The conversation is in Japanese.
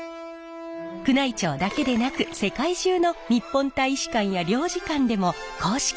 宮内庁だけでなく世界中の日本大使館や領事館でも公式に採用。